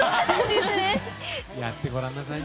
やってごらんなさいよ。